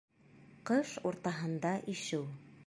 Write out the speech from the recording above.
Ҡыш уртаһында ишеү.